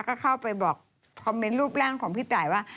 ก็เข้าไปบอกคอมเมนต์รูปร่างของพี่ตายว่า